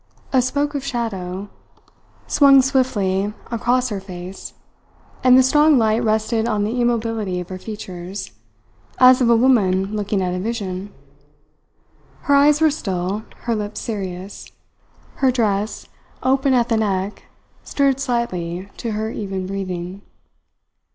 A spoke of shadow swung swiftly across her face, and the strong light rested on the immobility of her features, as of a woman looking at a vision. Her eyes were still, her lips serious. Her dress, open at the neck, stirred slightly to her even breathing.